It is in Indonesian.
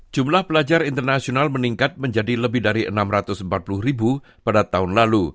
jumlah pelajar internasional meningkat menjadi lebih dari enam ratus empat puluh ribu pada tahun lalu